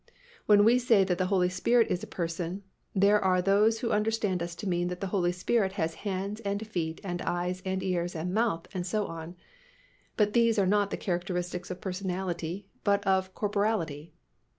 When we say that the Holy Spirit is a person, there are those who understand us to mean that the Holy Spirit has hands and feet and eyes and ears and mouth, and so on, but these are not the characteristics of personality but of corporeity.